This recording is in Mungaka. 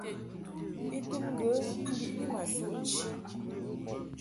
I tum ŋgə mbiʼni ma tuʼ nchi.